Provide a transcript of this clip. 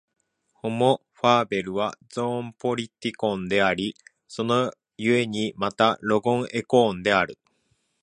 ホモ・ファーベルはゾーン・ポリティコンであり、その故にまたロゴン・エコーンである。